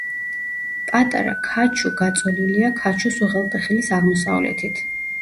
პატარა ქაჩუ გაწოლილია ქაჩუს უღელტეხილის აღმოსავლეთით.